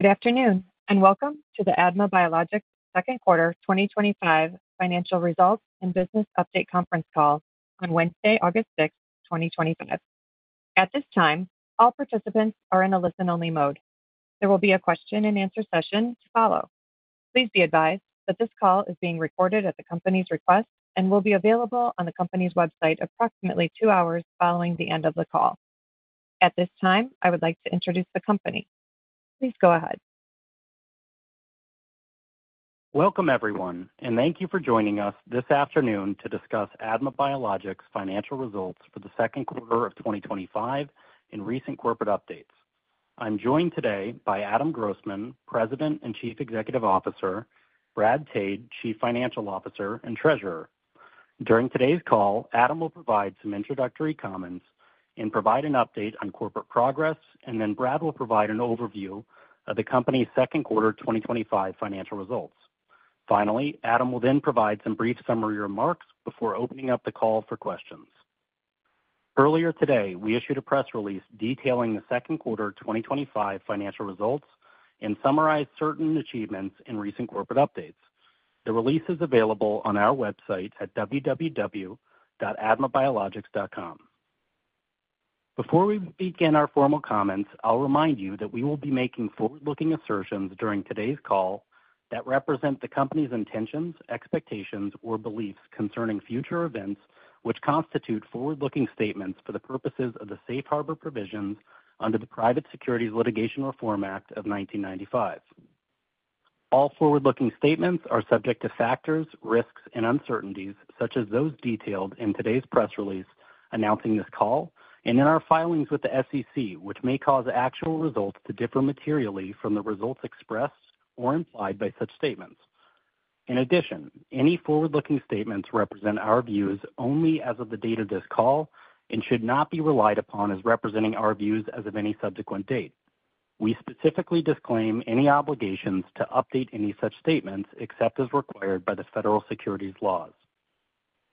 Good afternoon and welcome to the ADMA Biologics Second Quarter 2025 Financial Results and Business Update Conference Call on Wednesday, August 6th, 2025. At this time, all participants are in a listen-only mode. There will be a question-and-answer session to follow. Please be advised that this call is being recorded at the company's request and will be available on the company's website approximately two hours following the end of the call. At this time, I would like to introduce the company. Please go ahead. Welcome, everyone, and thank you for joining us this afternoon to discuss ADMA Biologics' Financial Results for the Second Quarter of 2025 and recent corporate updates. I'm joined today by Adam Grossman, President and Chief Executive Officer, Brad Tade, Chief Financial Officer and Treasurer. During today's call, Adam will provide some introductory comments and provide an update on corporate progress, and then Brad will provide an overview of the company's second quarter 2025 financial results. Finally, Adam will then provide some brief summary remarks before opening up the call for questions. Earlier today, we issued a press release detailing the second quarter 2025 financial results and summarized certain achievements in recent corporate updates. The release is available on our website at www.admabiologics.com. Before we begin our formal comments, I'll remind you that we will be making forward-looking assertions during today's call that represent the company's intentions, expectations, or beliefs concerning future events, which constitute forward-looking statements for the purposes of the Safe Harbor Provisions under the Private Securities Litigation Reform Act of 1995. All forward-looking statements are subject to factors, risks, and uncertainties, such as those detailed in today's press release announcing this call and in our filings with the SEC, which may cause actual results to differ materially from the results expressed or implied by such statements. In addition, any forward-looking statements represent our views only as of the date of this call and should not be relied upon as representing our views as of any subsequent date. We specifically disclaim any obligations to update any such statements except as required by the Federal Securities Laws.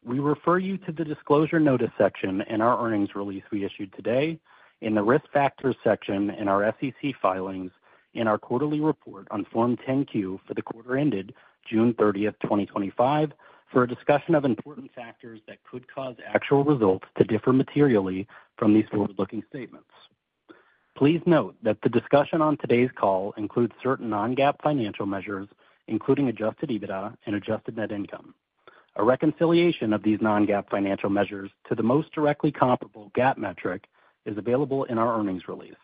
We refer you to the Disclosure Notice section in our earnings release we issued today, in the Risk Factors section in our SEC filings, and our quarterly report on Form 10-Q for the quarter ended June 30th, 2025, for a discussion of important factors that could cause actual results to differ materially from these forward-looking statements. Please note that the discussion on today's call includes certain non-GAAP financial measures, including adjusted EBITDA and adjusted net income. A reconciliation of these non-GAAP financial measures to the most directly comparable GAAP metric is available in our earnings release.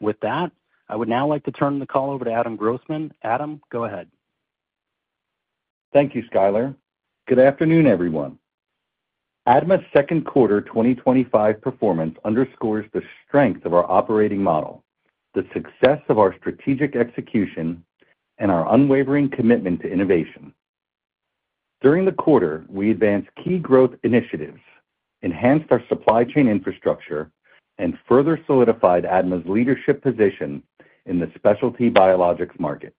With that, I would now like to turn the call over to Adam Grossman. Adam, go ahead. Thank you, Skyler. Good afternoon, everyone. ADMA's Second Quarter 2025 performance underscores the strength of our operating model, the success of our strategic execution, and our unwavering commitment to innovation. During the quarter, we advanced key growth initiatives, enhanced our supply chain infrastructure, and further solidified ADMA's leadership position in the specialty biologics market.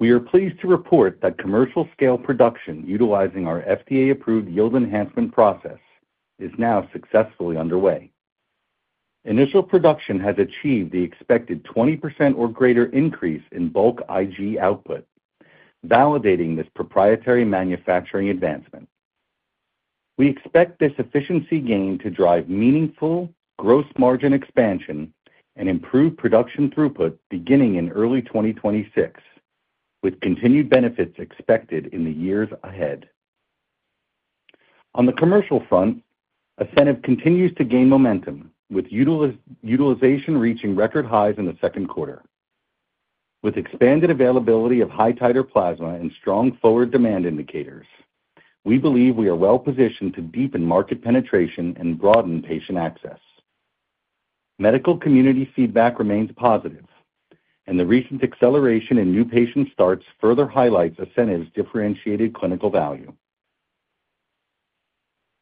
We are pleased to report that commercial-scale production utilizing our FDA-approved yield enhancement process is now successfully underway. Initial production has achieved the expected 20% or greater increase in bulk IG output, validating this proprietary manufacturing advancement. We expect this efficiency gain to drive meaningful gross margin expansion and improve production throughput beginning in early 2026, with continued benefits expected in the years ahead. On the commercial front, ASCENIV continues to gain momentum, with utilization reaching record highs in the second quarter. With expanded availability of high titer plasma and strong forward demand indicators, we believe we are well positioned to deepen market penetration and broaden patient access. Medical community feedback remains positive, and the recent acceleration in new patient starts further highlights ASCENIV's differentiated clinical value.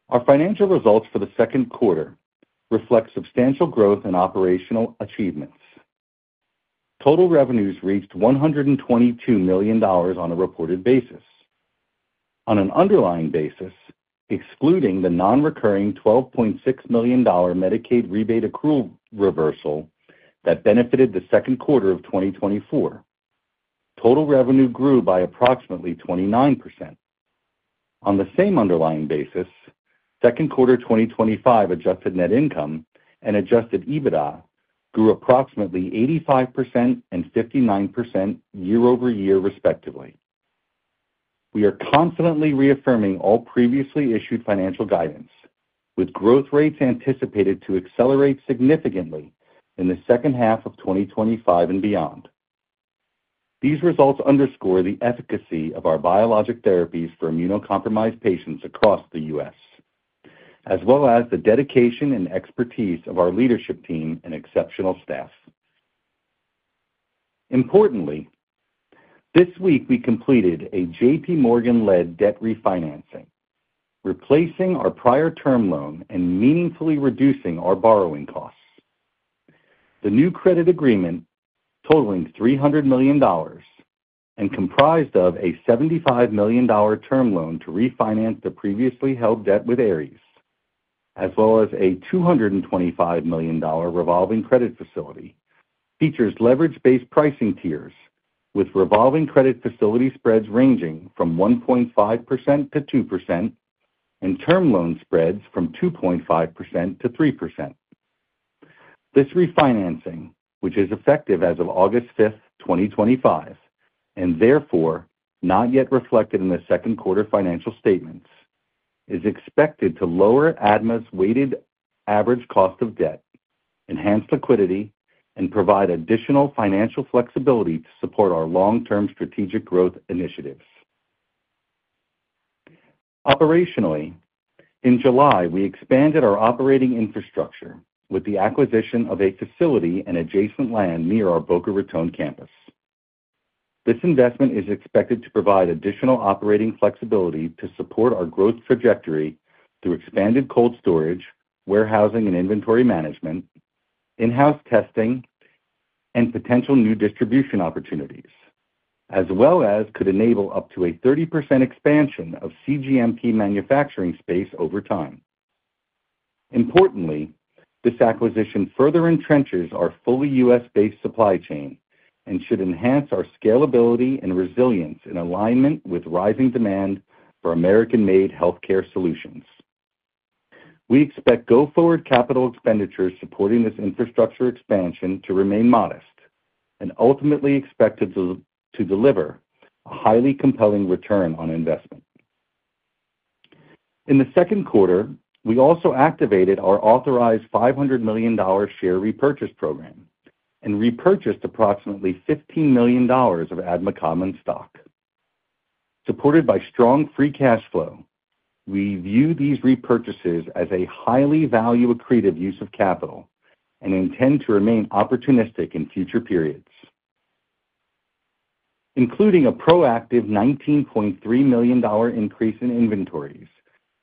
Our financial results for the second quarter reflect substantial growth in operational achievements. Total revenues reached $122 million on a reported basis. On an underlying basis, excluding the non-recurring $12.6 million Medicaid rebate accrual reversal that benefited the second quarter of 2024, total revenue grew by approximately 29%. On the same underlying basis, second quarter 2025 adjusted net income and adjusted EBITDA grew approximately 85% and 59% year-over-year, respectively. We are confidently reaffirming all previously issued financial guidance, with growth rates anticipated to accelerate significantly in the second half of 2025 and beyond. These results underscore the efficacy of our biologic therapies for immunocompromised patients across the U.S., as well as the dedication and expertise of our leadership team and exceptional staff. Importantly, this week we completed a JPMorgan-led debt refinancing, replacing our prior term loan and meaningfully reducing our borrowing costs. The new credit agreement, totaling $300 million, and comprised of a $75 million term loan to refinance the previously held debt with Ares, as well as a $225 million revolving credit facility, features leverage-based pricing tiers with revolving credit facility spreads ranging from 1.5%-2% and term loan spreads from 2.5%-3%. This refinancing, which is effective as of August 5th, 2025, and therefore not yet reflected in the second quarter financial statements, is expected to lower ADMA's weighted average cost of debt, enhance liquidity, and provide additional financial flexibility to support our long-term strategic growth initiatives. Operationally, in July, we expanded our operating infrastructure with the acquisition of a facility and adjacent land near our Boca Raton campus. This investment is expected to provide additional operating flexibility to support our growth trajectory through expanded cold storage, warehousing and inventory management, in-house testing, and potential new distribution opportunities, as well as could enable up to a 30% expansion of cGMP manufacturing space over time. Importantly, this acquisition further entrenches our fully U.S.-based supply chain and should enhance our scalability and resilience in alignment with rising demand for American-made healthcare solutions. We expect go-forward capital expenditures supporting this infrastructure expansion to remain modest and ultimately expected to deliver a highly compelling return on investment. In the second quarter, we also activated our authorized $500 million share repurchase program and repurchased approximately $15 million of ADMA common stock. Supported by strong free cash flow, we view these repurchases as a highly value-accretive use of capital and intend to remain opportunistic in future periods. Including a proactive $19.3 million increase in inventories,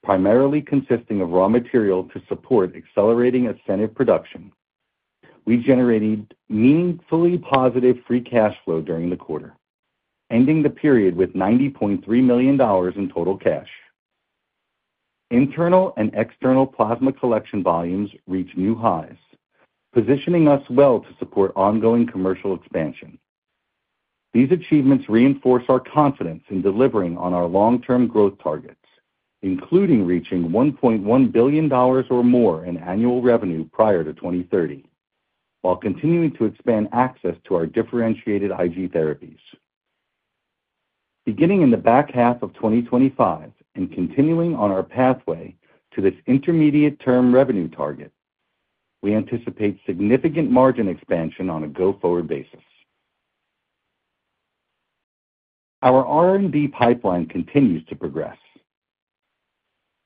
primarily consisting of raw material to support accelerating ASCENIV production, we generated meaningfully positive free cash flow during the quarter, ending the period with $90.3 million in total cash. Internal and external plasma collection volumes reached new highs, positioning us well to support ongoing commercial expansion. These achievements reinforce our confidence in delivering on our long-term growth targets, including reaching $1.1 billion or more in annual revenue prior to 2030, while continuing to expand access to our differentiated IG therapies. Beginning in the back half of 2025 and continuing on our pathway to this intermediate-term revenue target, we anticipate significant margin expansion on a go-forward basis. Our R&D pipeline continues to progress.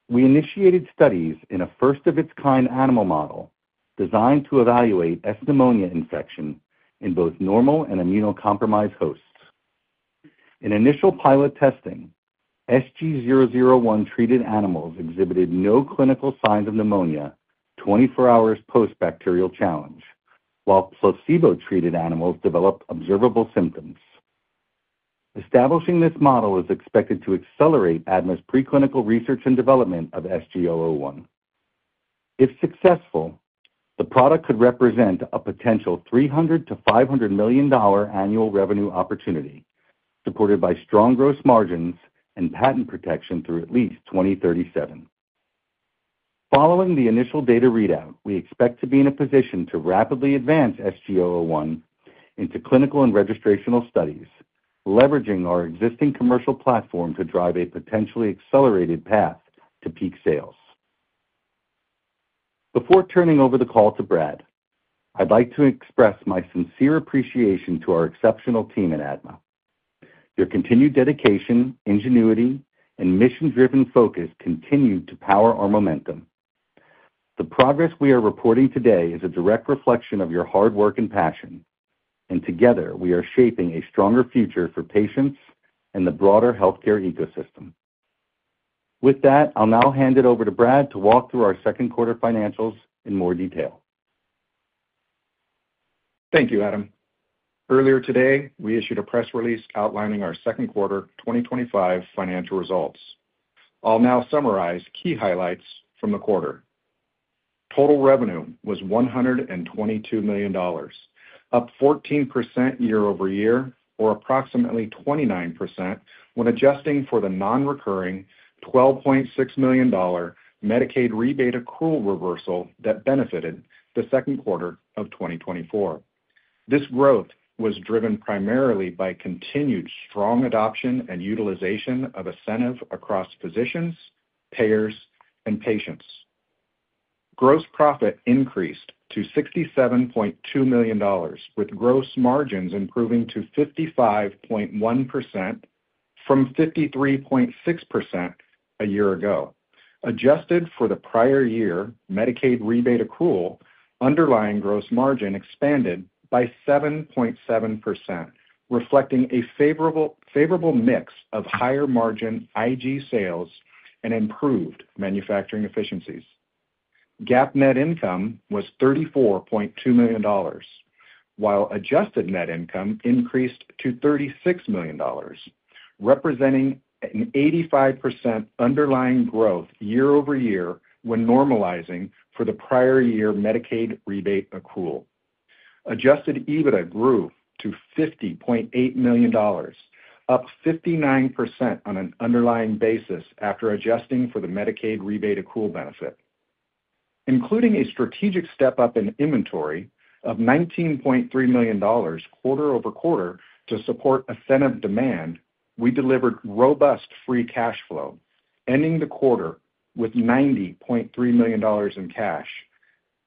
We initiated studies in a first-of-its-kind animal model designed to evaluate S. pneumoniae infection in both normal and immunocompromised hosts. In initial pilot testing, SG-001 treated animals exhibited no clinical signs of pneumonia 24 hours post-bacterial challenge, while placebo-treated animals developed observable symptoms. Establishing this model is expected to accelerate ADMA's preclinical research and development of SG-001. If successful, the product could represent a potential $300 million-$500 million annual revenue opportunity, supported by strong gross margins and patent protection through at least 2037. Following the initial data readout, we expect to be in a position to rapidly advance SG-001 into clinical and registrational studies, leveraging our existing commercial platform to drive a potentially accelerated path to peak sales. Before turning over the call to Brad, I'd like to express my sincere appreciation to our exceptional team at ADMA. Your continued dedication, ingenuity, and mission-driven focus continue to power our momentum. The progress we are reporting today is a direct reflection of your hard work and passion, and together we are shaping a stronger future for patients and the broader healthcare ecosystem. With that, I'll now hand it over to Brad to walk through our second quarter financials in more detail. Thank you, Adam. Earlier today, we issued a press release outlining our second quarter 2025 financial results. I'll now summarize key highlights from the quarter. Total revenue was $122 million, up 14% year-over-year, or approximately 29% when adjusting for the non-recurring $12.6 million Medicaid rebate accrual reversal that benefited the second quarter of 2024. This growth was driven primarily by continued strong adoption and utilization of ASCENIV across physicians, payers, and patients. Gross profit increased to $67.2 million, with gross margins improving to 55.1% from 53.6% a year ago. Adjusted for the prior year Medicaid rebate accrual, underlying gross margin expanded by 7.7%, reflecting a favorable mix of higher margin IG sales and improved manufacturing efficiencies. GAAP net income was $34.2 million, while adjusted net income increased to $36 million, representing an 85% underlying growth year-over-year when normalizing for the prior year Medicaid rebate accrual. Adjusted EBITDA grew to $50.8 million, up 59% on an underlying basis after adjusting for the Medicaid rebate accrual benefit. Including a strategic step-up in inventory of $19.3 million quarter-over-quarter to support ASCENIV demand, we delivered robust free cash flow, ending the quarter with $90.3 million in cash.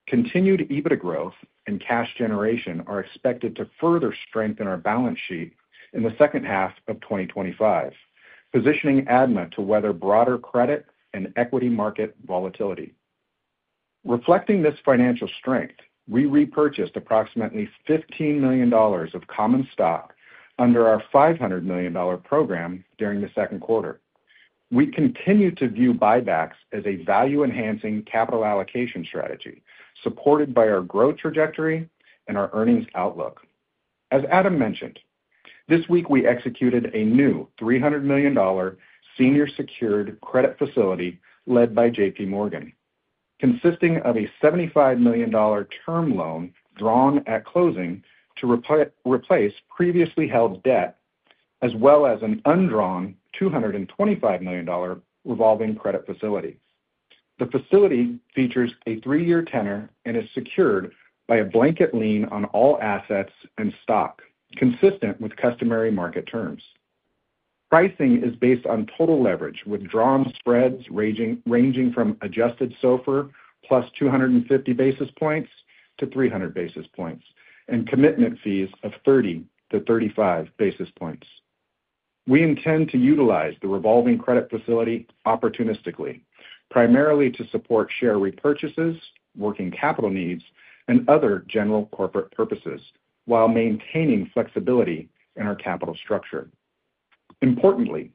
Continued EBITDA growth and cash generation are expected to further strengthen our balance sheet in the second half of 2025, positioning ADMA to weather broader credit and equity market volatility. Reflecting this financial strength, we repurchased approximately $15 million of common stock under our $500 million program during the second quarter. We continue to view buybacks as a value-enhancing capital allocation strategy, supported by our growth trajectory and our earnings outlook. As Adam mentioned, this week we executed a new $300 million senior-secured credit facility led by JPMorgan, consisting of a $75 million term loan drawn at closing to replace previously held debt, as well as an undrawn $225 million revolving credit facility. The facility features a three-year tenor and is secured by a blanket lien on all assets and stock, consistent with customary market terms. Pricing is based on total leverage with drawn spreads ranging from adjusted SOFR plus 250 basis points-300 basis points, and commitment fees of 30-35 basis points. We intend to utilize the revolving credit facility opportunistically, primarily to support share repurchases, working capital needs, and other general corporate purposes, while maintaining flexibility in our capital structure. Importantly,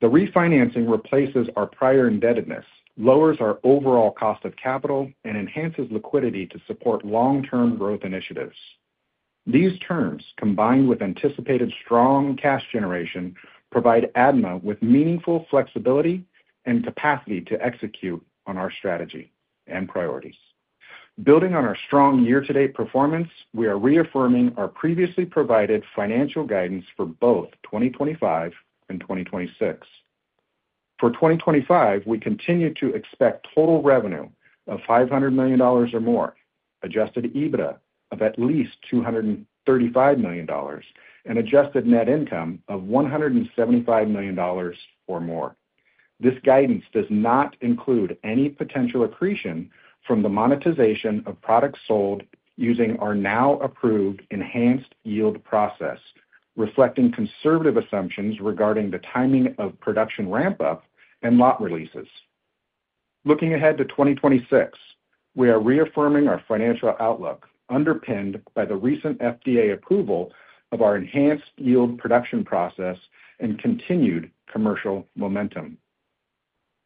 the refinancing replaces our prior indebtedness, lowers our overall cost of capital, and enhances liquidity to support long-term growth initiatives. These terms, combined with anticipated strong cash generation, provide ADMA Biologics with meaningful flexibility and capacity to execute on our strategy and priorities. Building on our strong year-to-date performance, we are reaffirming our previously provided financial guidance for both 2025 and 2026. For 2025, we continue to expect total revenue of $500 million or more, adjusted EBITDA of at least $235 million, and adjusted net income of $175 million or more. This guidance does not include any potential accretion from the monetization of products sold using our now approved enhanced yield process, reflecting conservative assumptions regarding the timing of production ramp-up and lot releases. Looking ahead to 2026, we are reaffirming our financial outlook, underpinned by the recent FDA approval of our enhanced yield production process and continued commercial momentum.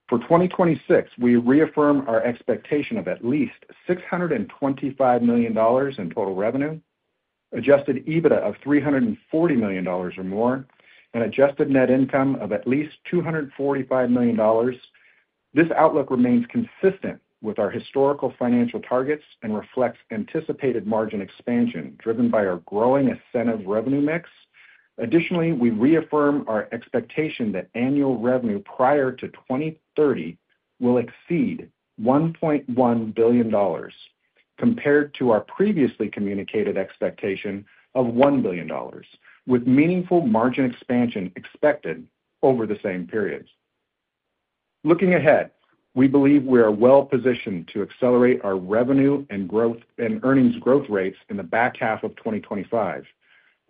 For 2026, we reaffirm our expectation of at least $625 million in total revenue, adjusted EBITDA of $340 million or more, and adjusted net income of at least $245 million. This outlook remains consistent with our historical financial targets and reflects anticipated margin expansion driven by our growing ASCENIV revenue mix. Additionally, we reaffirm our expectation that annual revenue prior to 2030 will exceed $1.1 billion, compared to our previously communicated expectation of $1 billion, with meaningful margin expansion expected over the same period. Looking ahead, we believe we are well positioned to accelerate our revenue and earnings growth rates in the back half of 2025,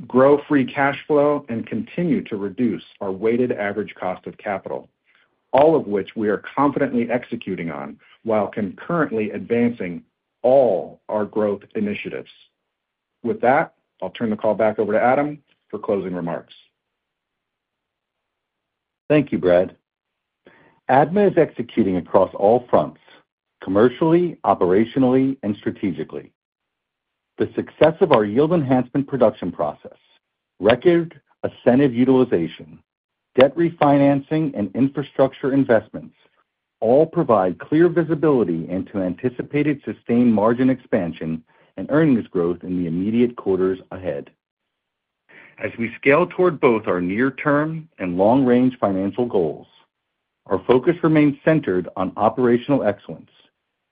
grow free cash flow, and continue to reduce our weighted average cost of capital, all of which we are confidently executing on while concurrently advancing all our growth initiatives. With that, I'll turn the call back over to Adam for closing remarks. Thank you, Brad. ADMA is executing across all fronts, commercially, operationally, and strategically. The success of our yield enhancement production process, record ASCENIV utilization, debt refinancing, and infrastructure investments all provide clear visibility into anticipated sustained margin expansion and earnings growth in the immediate quarters ahead. As we scale toward both our near-term and long-range financial goals, our focus remains centered on operational excellence,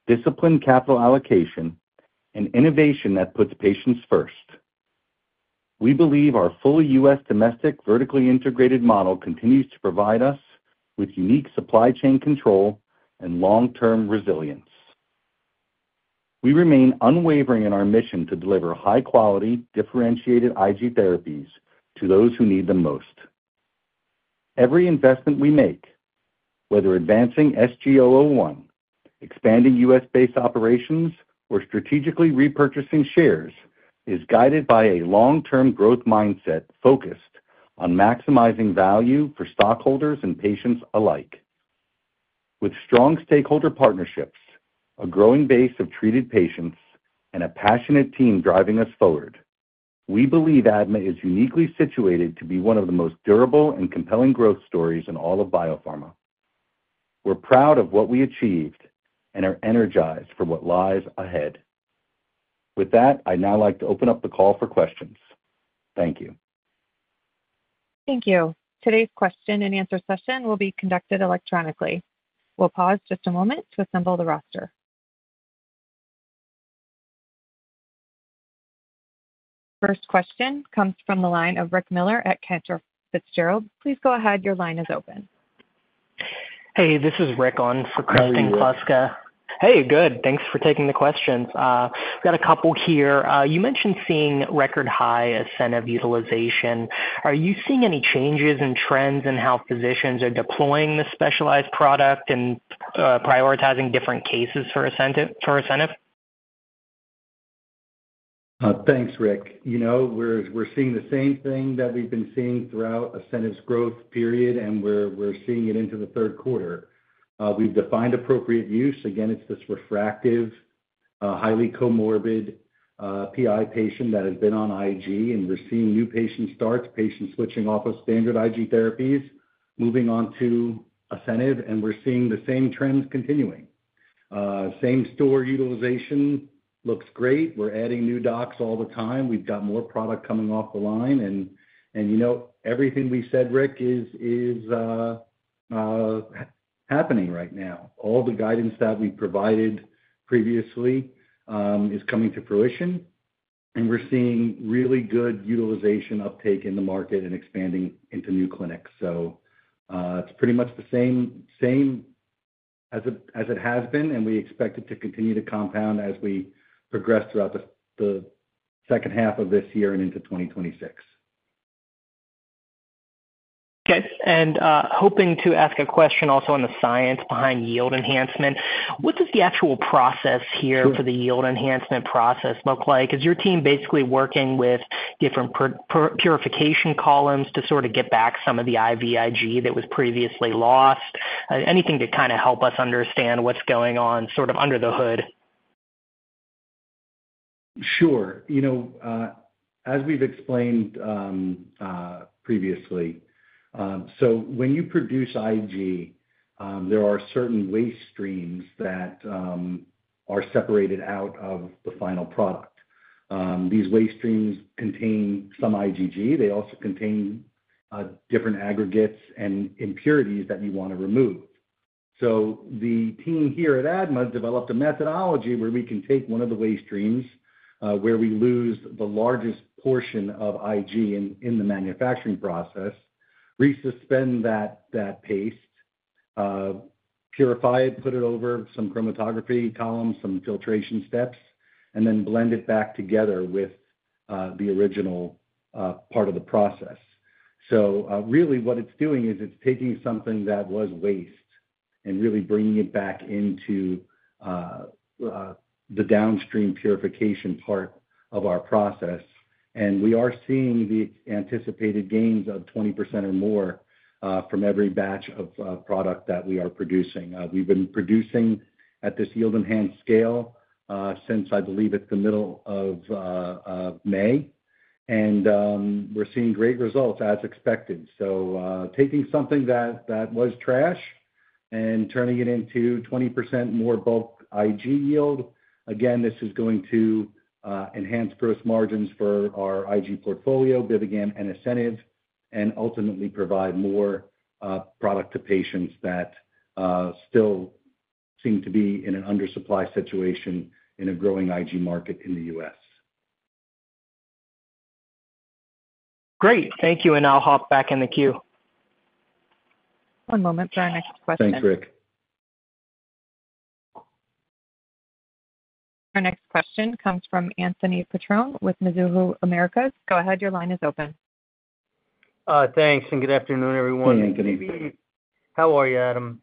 disciplined capital allocation, and innovation that puts patients first. We believe our fully U.S.-domestic vertically integrated model continues to provide us with unique supply chain control and long-term resilience. We remain unwavering in our mission to deliver high-quality, differentiated IG therapies to those who need them most. Every investment we make, whether advancing SG-001, expanding U.S.-based operations, or strategically repurchasing shares, is guided by a long-term growth mindset focused on maximizing value for stockholders and patients alike. With strong stakeholder partnerships, a growing base of treated patients, and a passionate team driving us forward, we believe ADMA is uniquely situated to be one of the most durable and compelling growth stories in all of biopharma. We're proud of what we achieved and are energized for what lies ahead. With that, I'd now like to open up the call for questions. Thank you. Thank you. Today's question-and-answer session will be conducted electronically. We'll pause just a moment to assemble the roster. First question comes from the line of Rick Miller at Cantor Fitzgerald. Please go ahead. Your line is open. Hey, this is Rick on for Kristen Kluska. Hey, good. Thanks for taking the questions. I've got a couple here. You mentioned seeing record high ASCENIV utilization. Are you seeing any changes in trends in how physicians are deploying the specialized product and prioritizing different cases for ASCENIV? Thanks, Rick. We're seeing the same thing that we've been seeing throughout ASCENIV's growth period, and we're seeing it into the third quarter. We've defined appropriate use. Again, it's this refractory, highly comorbid PI patient that has been on IG, and we're seeing new patient starts, patients switching off of standard IG therapies, moving on to ASCENIV, and we're seeing the same trends continuing. Same store utilization looks great. We're adding new docs all the time. We've got more product coming off the line, and everything we said, Rick, is happening right now. All the guidance that we've provided previously is coming to fruition, and we're seeing really good utilization uptake in the market and expanding into new clinics. It's pretty much the same as it has been, and we expect it to continue to compound as we progress throughout the second half of this year and into 2026. Okay, hoping to ask a question also on the science behind yield enhancement. What does the actual process here for the FDA-approved yield enhancement process look like? Is your team basically working with different purification columns to sort of get back some of the IVIG that was previously lost? Anything to kind of help us understand what's going on sort of under the hood? Sure. You know, as we've explained previously, when you produce IG, there are certain waste streams that are separated out of the final product. These waste streams contain some IGG. They also contain different aggregates and impurities that we want to remove. The team here at ADMA Biologics has developed a methodology where we can take one of the waste streams where we lose the largest portion of IG in the manufacturing process, resuspend that paste, purify it, put it over some chromatography columns, some filtration steps, and then blend it back together with the original part of the process. What it's doing is it's taking something that was waste and really bringing it back into the downstream purification part of our process, and we are seeing the anticipated gains of 20% or more from every batch of product that we are producing. We've been producing at this FDA-approved yield enhancement process scale since, I believe, it's the middle of May, and we're seeing great results as expected. Taking something that was trash and turning it into 20% more bulk IG output, this is going to enhance gross margin expansion for our IG portfolio, BIVIGAM, and ASCENIV, and ultimately provide more product to patients that still seem to be in an undersupply situation in a growing IG market in the U.S. Great. Thank you, and I'll hop back in the queue. One moment for our next question. Thanks, Rick. Our next question comes from Anthony Petrone with Mizuho Securities. Go ahead. Your line is open. Thanks, and good afternoon, everyone. Hey, Anthony. How are you, Adam?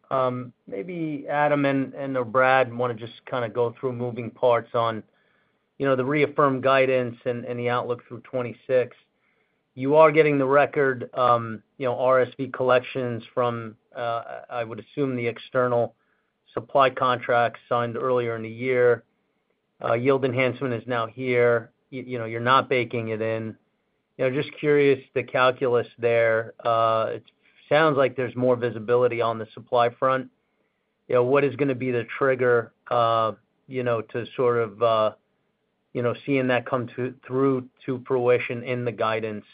Maybe Adam and/or Brad want to just kind of go through moving parts on the reaffirmed guidance and the outlook through 2026. You are getting the record RSV collections from, I would assume, the external supply contracts signed earlier in the year. Yield enhancement is now here. You're not baking it in. Just curious the calculus there. It sounds like there's more visibility on the supply front. What is going to be the trigger to sort of seeing that come through to fruition in the guidance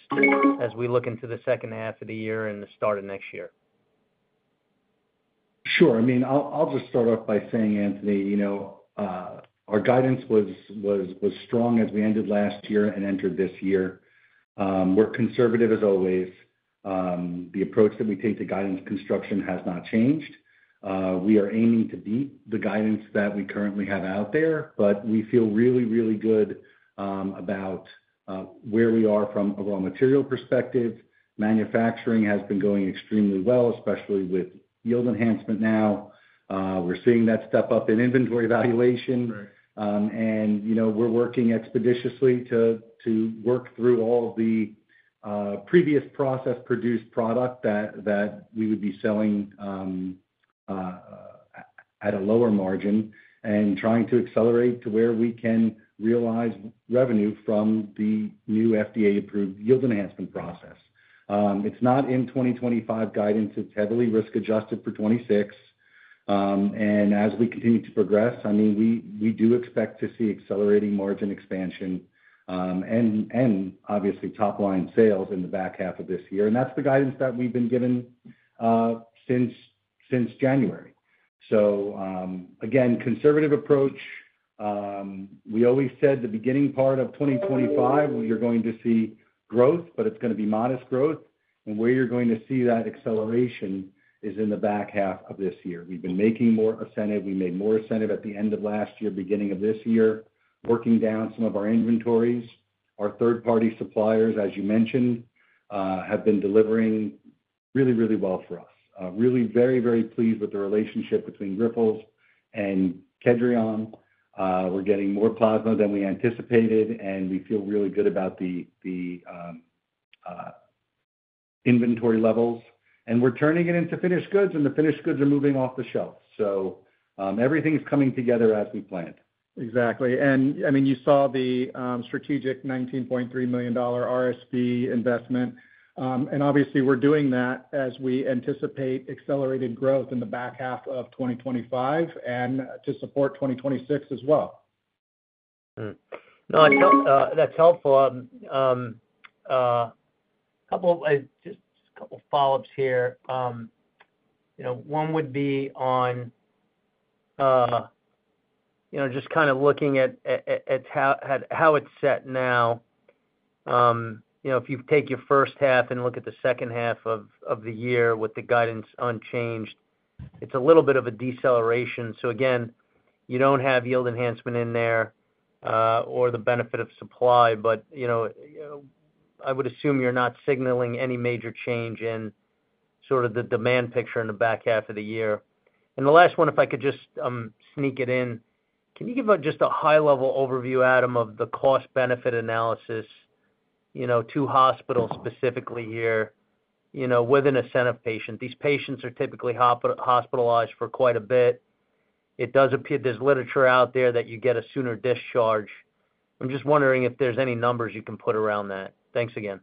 as we look into the second half of the year and the start of next year? Sure. I mean, I'll just start off by saying, Anthony, you know, our guidance was strong as we ended last year and entered this year. We're conservative as always. The approach that we take to guidance construction has not changed. We are aiming to beat the guidance that we currently have out there, but we feel really, really good about where we are from a raw material perspective. Manufacturing has been going extremely well, especially with yield enhancement now. We're seeing that step up in inventory valuation, and we're working expeditiously to work through all of the previous process-produced product that we would be selling at a lower margin and trying to accelerate to where we can realize revenue from the new FDA-approved yield enhancement process. It's not in 2025 guidance. It's heavily risk-adjusted for 2026, and as we continue to progress, I mean, we do expect to see accelerating margin expansion and, obviously, top-line sales in the back half of this year, and that's the guidance that we've been given since January. Again, conservative approach. We always said the beginning part of 2025, you're going to see growth, but it's going to be modest growth, and where you're going to see that acceleration is in the back half of this year. We've been making more ASCENIV. We made more ASCENIV at the end of last year, beginning of this year, working down some of our inventories. Our third-party suppliers, as you mentioned, have been delivering really, really well for us. Really very, very pleased with the relationship between Grifols and Kedrion. We're getting more plasma than we anticipated, and we feel really good about the inventory levels, and we're turning it into finished goods, and the finished goods are moving off the shelves. Everything is coming together as we planned. Exactly. You saw the strategic $19.3 million RSV investment, and obviously, we're doing that as we anticipate accelerated growth in the back half of 2025 and to support 2026 as well. No, that's helpful. A couple of follow-ups here. One would be on just kind of looking at how it's set now. If you take your first half and look at the second half of the year with the guidance unchanged, it's a little bit of a deceleration. You don't have FDA-approved yield enhancement in there or the benefit of supply, but I would assume you're not signaling any major change in sort of the demand picture in the back half of the year. The last one, if I could just sneak it in, can you give us just a high-level overview, Adam, of the cost-benefit analysis to hospitals specifically here with an ASCENIV patient? These patients are typically hospitalized for quite a bit. It does appear there's literature out there that you get a sooner discharge. I'm just wondering if there's any numbers you can put around that. Thanks again.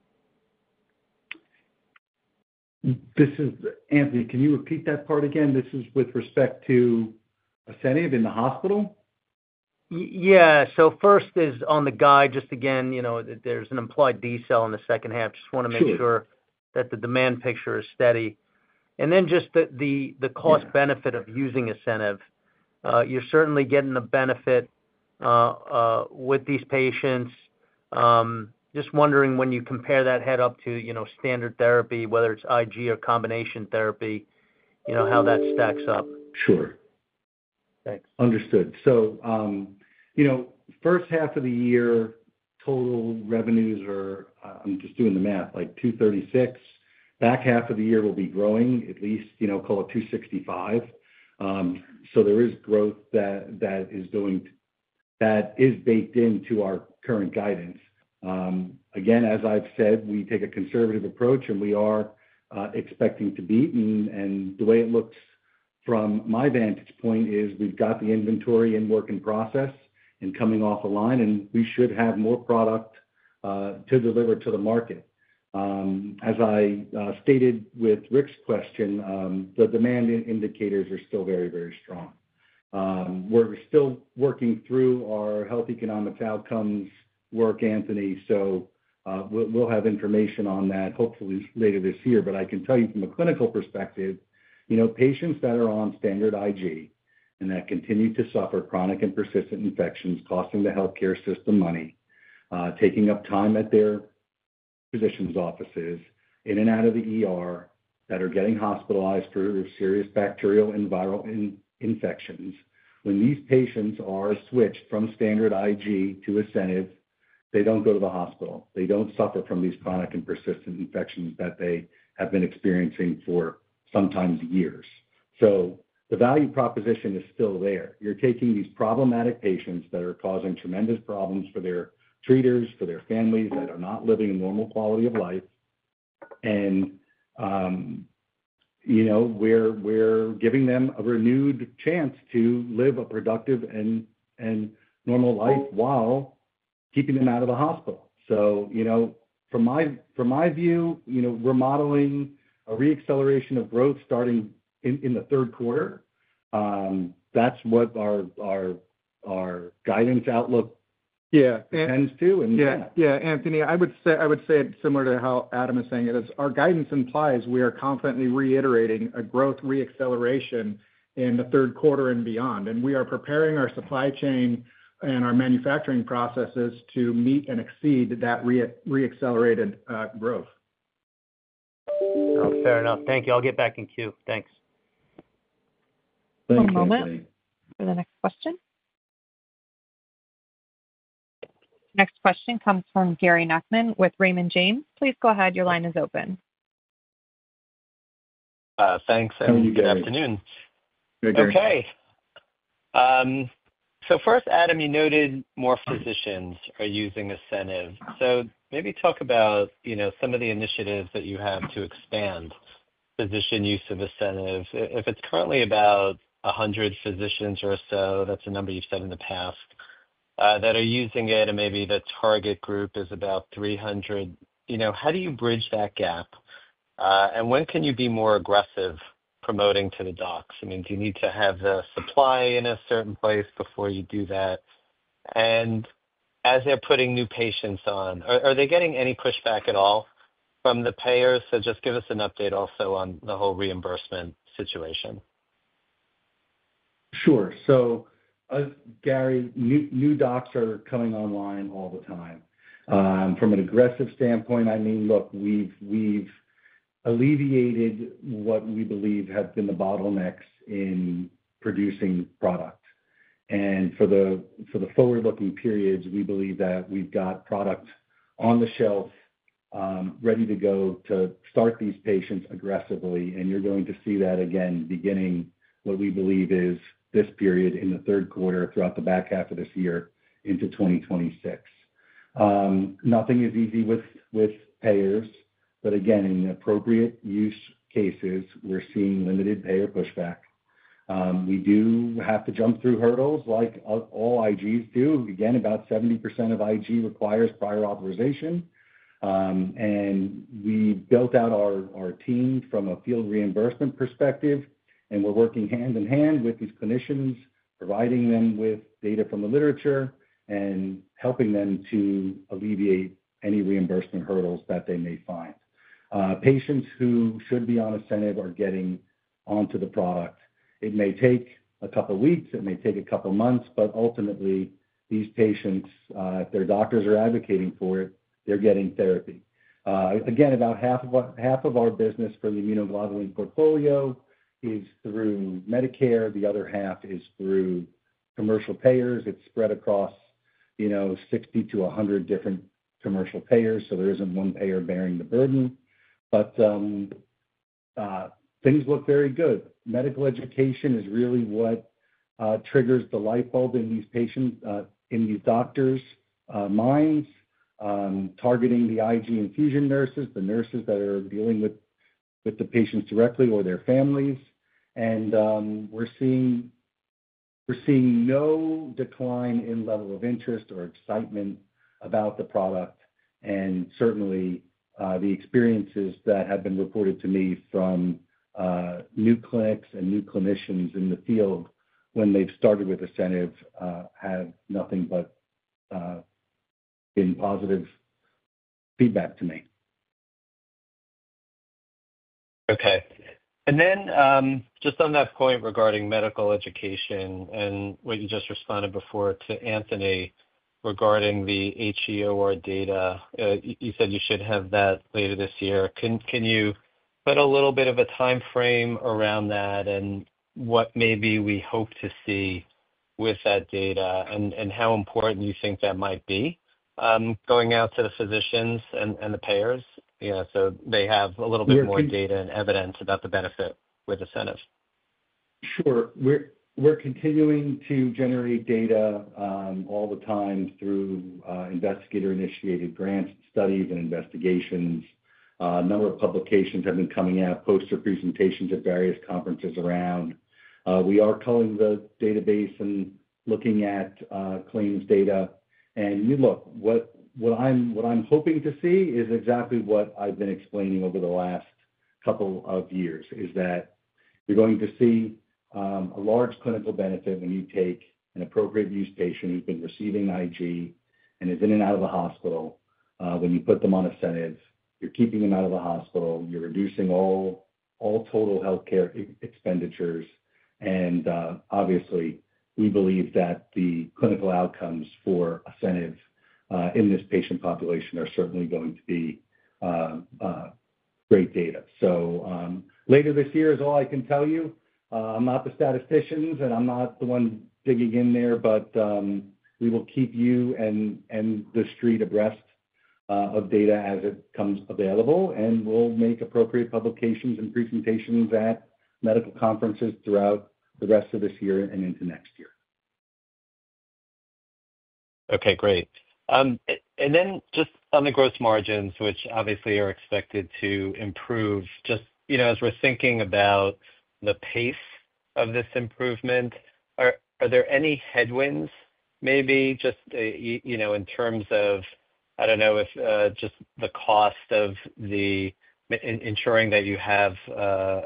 This is Anthony. Can you repeat that part again? This is with respect to ASCENIV in the hospital? Yeah. First is on the guide, just again, you know, there's an implied decel in the second half. Just want to make sure that the demand picture is steady. Then just the cost-benefit of using ASCENIV. You're certainly getting the benefit with these patients. Just wondering when you compare that head-up to, you know, standard therapy, whether it's IG or combination therapy, you know, how that stacks up. Sure. Thanks. Understood. First half of the year, total revenues are, I'm just doing the math, like $236 million. Back half of the year will be growing, at least, call it $265 million. There is growth that is going to, that is baked into our current guidance. Again, as I've said, we take a conservative approach, and we are expecting to beat, and the way it looks from my vantage point is we've got the inventory in work in process and coming off the line, and we should have more product to deliver to the market. As I stated with Rick's question, the demand indicators are still very, very strong. We're still working through our health economics outcomes work, Anthony, so we'll have information on that hopefully later this year, but I can tell you from a clinical perspective, patients that are on standard IG and that continue to suffer chronic and persistent infections costing the healthcare system money, taking up time at their physician's offices, in and out of the hospital, that are getting hospitalized for serious bacterial and viral infections. When these patients are switched from standard IG to ASCENIV, they don't go to the hospital. They don't suffer from these chronic and persistent infections that they have been experiencing for sometimes years. The value proposition is still there. You're taking these problematic patients that are causing tremendous problems for their treaters, for their families that are not living a normal quality of life, and we're giving them a renewed chance to live a productive and normal life while keeping them out of the hospital. From my view, remodeling, a reacceleration of growth starting in the third quarter, that's what our guidance outlook tends to. Yeah, Anthony, I would say it's similar to how Adam is saying it. Our guidance implies we are confidently reiterating a growth reacceleration in the third quarter and beyond, and we are preparing our supply chain and our manufacturing processes to meet and exceed that reaccelerated growth. Fair enough. Thank you. I'll get back in queue. Thanks. One moment for the next question. Next question comes from Gary Nachman with Raymond James. Please go ahead. Your line is open. Thanks, Adam. Good afternoon. You're good. Okay. First, Adam, you noted more physicians are using ASCENIV. Maybe talk about, you know, some of the initiatives that you have to expand physician use of ASCENIV. If it's currently about 100 physicians or so, that's a number you've said in the past, that are using it, and maybe the target group is about 300, you know, how do you bridge that gap? When can you be more aggressive promoting to the docs? Do you need to have the supply in a certain place before you do that? As they're putting new patients on, are they getting any pushback at all from the payers? Just give us an update also on the whole reimbursement situation. Sure. Gary, new doctors are coming online all the time. From an aggressive standpoint, we've alleviated what we believe have been the bottlenecks in producing product. For the forward-looking periods, we believe that we've got product on the shelf ready to go to start these patients aggressively, and you're going to see that again beginning what we believe is this period in the third quarter throughout the back half of this year into 2026. Nothing is easy with payers, but in the appropriate use cases, we're seeing limited payer pushback. We do have to jump through hurdles like all IGs do. About 70% of IG requires prior authorization, and we built out our teams from a field reimbursement perspective, and we're working hand in hand with these clinicians, providing them with data from the literature and helping them to alleviate any reimbursement hurdles that they may find. Patients who should be on ASCENIV are getting onto the product. It may take a couple of weeks. It may take a couple of months, but ultimately, these patients, if their doctors are advocating for it, they're getting therapy. About half of our business for the immunoglobulin portfolio is through Medicare. The other half is through commercial payers. It's spread across 60-100 different commercial payers, so there isn't one payer bearing the burden. Things look very good. Medical education is really what triggers the light bulb in these patients, in these doctors' minds, targeting the IG infusion nurses, the nurses that are dealing with the patients directly or their families. We're seeing no decline in level of interest or excitement about the product, and certainly, the experiences that have been reported to me from new clinics and new clinicians in the field when they've started with ASCENIV have nothing but been positive feedback to me. Okay. On that point regarding medical education and what you just responded before to Anthony regarding the HEOR data, you said you should have that later this year. Can you put a little bit of a timeframe around that and what maybe we hope to see with that data and how important you think that might be going out to the physicians and the payers? Yeah, so they have a little bit more data and evidence about the benefit with ASCENIV. Sure. We're continuing to generate data all the time through investigator-initiated grants, studies, and investigations. A number of publications have been coming out, poster presentations at various conferences around. We are culling the database and looking at claims data. What I'm hoping to see is exactly what I've been explaining over the last couple of years, is that you're going to see a large clinical benefit when you take an appropriate-use patient who's been receiving IG and is in and out of the hospital. When you put them on ASCENIV, you're keeping them out of the hospital. You're reducing all total healthcare expenditures. Obviously, we believe that the clinical outcomes for ASCENIV in this patient population are certainly going to be great data. Later this year is all I can tell you. I'm not the statistician, and I'm not the one digging in there, but we will keep you and the street abreast of data as it comes available, and we'll make appropriate publications and presentations at medical conferences throughout the rest of this year and into next year. Okay, great. Just on the gross margins, which obviously are expected to improve, as we're thinking about the pace of this improvement, are there any headwinds maybe in terms of, I don't know, if just the cost of ensuring that you have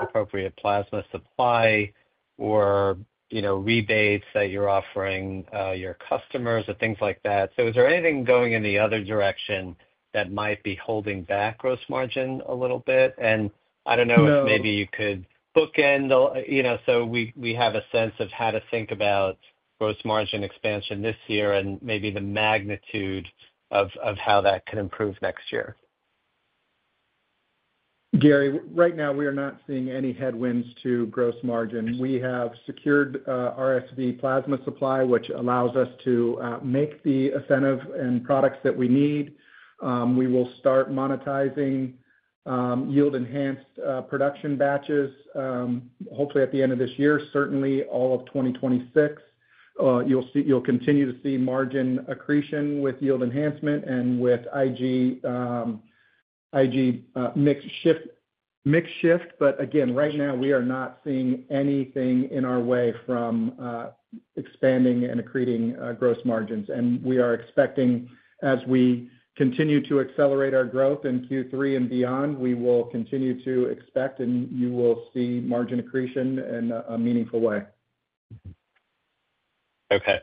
appropriate plasma supply or rebates that you're offering your customers or things like that? Is there anything going in the other direction that might be holding back gross margin a little bit? I don't know if maybe you could bookend, so we have a sense of how to think about gross margin expansion this year and maybe the magnitude of how that could improve next year. Gary, right now we are not seeing any headwinds to gross margin. We have secured RSV plasma supply, which allows us to make the ASCENIV and products that we need. We will start monetizing yield-enhanced production batches, hopefully at the end of this year, certainly all of 2026. You'll continue to see margin accretion with yield enhancement and with IG mixed shift. Right now we are not seeing anything in our way from expanding and accreting gross margins. We are expecting, as we continue to accelerate our growth in Q3 and beyond, we will continue to expect, and you will see margin accretion in a meaningful way. Okay.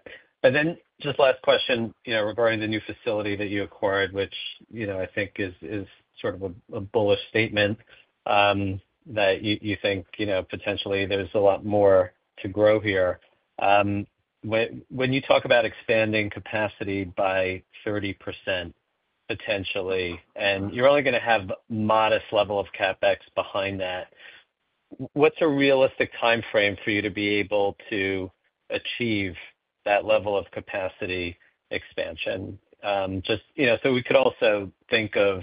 Just last question, regarding the new facility that you acquired, which I think is sort of a bullish statement that you think potentially there's a lot more to grow here. When you talk about expanding capacity by 30% potentially, and you're only going to have a modest level of CapEx behind that, what's a realistic timeframe for you to be able to achieve that level of capacity expansion? Just so we could also think of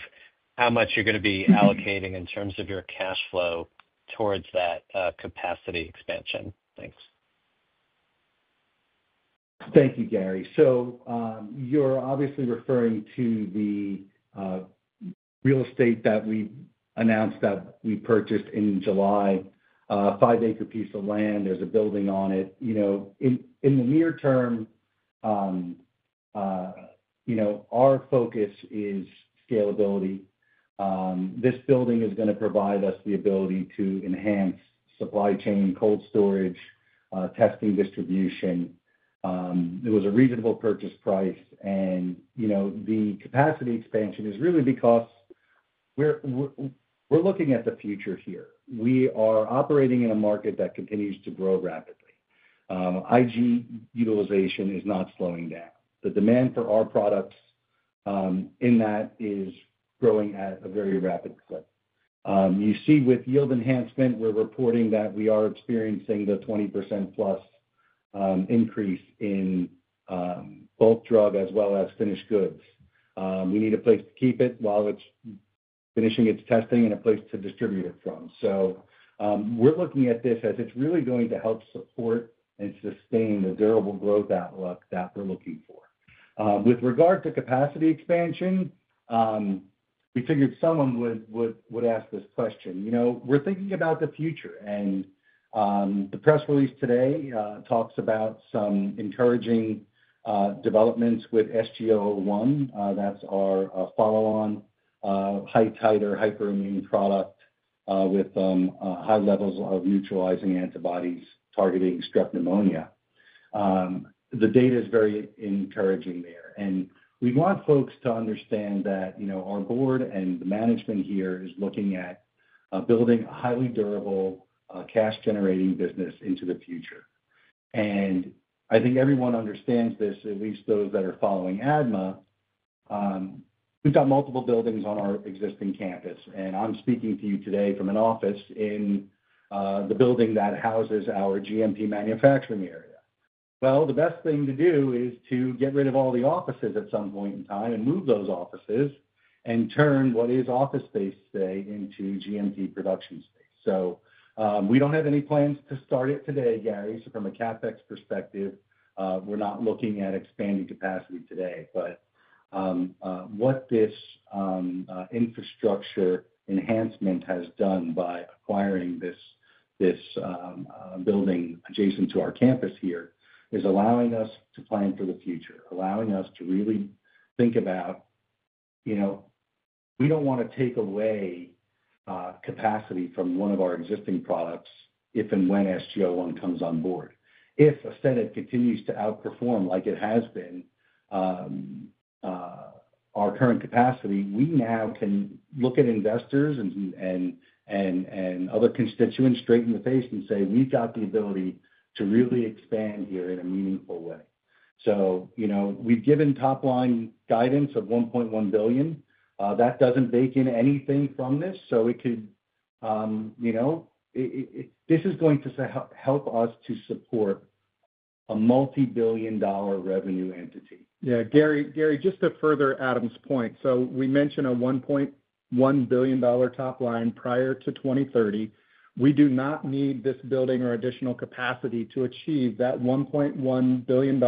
how much you're going to be allocating in terms of your cash flow towards that capacity expansion. Thanks. Thank you, Gary. You're obviously referring to the real estate that we announced that we purchased in July, a five-acre piece of land. There's a building on it. In the near term, our focus is scalability. This building is going to provide us the ability to enhance supply chain, cold storage, testing, distribution. It was a reasonable purchase price, and the capacity expansion is really because we're looking at the future here. We are operating in a market that continues to grow rapidly. IG utilization is not slowing down. The demand for our products in that is growing at a very rapid clip. You see, with yield enhancement, we're reporting that we are experiencing the 20%+ increase in bulk IG output as well as finished goods. We need a place to keep it while it's finishing its testing and a place to distribute it from. We're looking at this as it's really going to help support and sustain the durable growth outlook that we're looking for. With regard to capacity expansion, we figured someone would ask this question. We're thinking about the future, and the press release today talks about some encouraging developments with SG-001. That's our follow-on high-titer hyperimmune product with high levels of neutralizing antibodies targeting Streptococcus pneumoniae. The data is very encouraging there, and we want folks to understand that our board and the management here is looking at building a highly durable cash-generating business into the future. I think everyone understands this, at least those that are following ADMA. We've got multiple buildings on our existing campus, and I'm speaking to you today from an office in the building that houses our GMP manufacturing area. The best thing to do is to get rid of all the offices at some point in time and move those offices and turn what is office space today into GMP production space. We don't have any plans to start it today, Gary. From a CapEx perspective, we're not looking at expanding capacity today, but what this infrastructure enhancement has done by acquiring this building adjacent to our campus here is allowing us to plan for the future, allowing us to really think about, we don't want to take away capacity from one of our existing products if and when SG-001 comes on board. If ASCENIV continues to outperform like it has been our current capacity, we now can look at investors and other constituents straight in the face and say, we've got the ability to really expand here in a meaningful way. We've given top-line guidance of $1.1 billion. That doesn't bake in anything from this. This is going to help us to support a multi-billion dollar revenue entity. Yeah, Gary, just to further Adam's point. We mentioned a $1.1 billion top line prior to 2030. We do not need this building or additional capacity to achieve that $1.1 billion,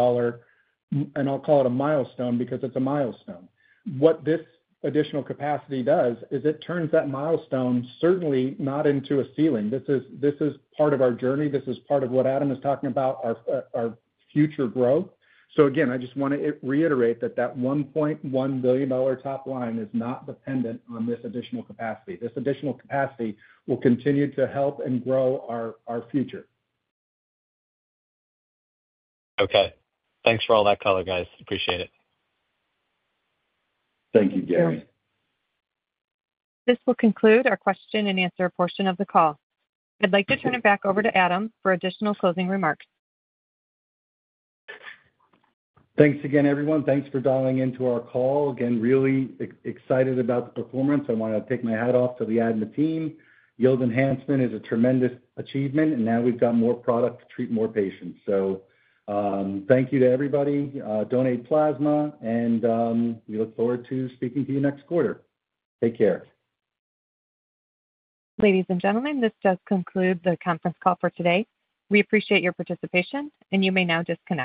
and I'll call it a milestone because it's a milestone. What this additional capacity does is it turns that milestone certainly not into a ceiling. This is part of our journey. This is part of what Adam is talking about, our future growth. I just want to reiterate that that $1.1 billion top line is not dependent on this additional capacity. This additional capacity will continue to help and grow our future. Okay. Thanks for all that color, guys. Appreciate it. Thank you, Gary. This will conclude our question-and-answer portion of the call. I'd like to turn it back over to Adam for additional closing remarks. Thanks again, everyone. Thanks for dialing into our call. Again, really excited about the performance. I want to take my hat off to the ADMA team. Yield enhancement is a tremendous achievement, and now we've got more product to treat more patients. Thank you to everybody. Donate plasma, and we look forward to speaking to you next quarter. Take care. Ladies and gentlemen, this does conclude the conference call for today. We appreciate your participation, and you may now disconnect.